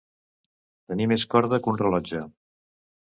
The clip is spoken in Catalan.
Tenir més corda que un rellotge.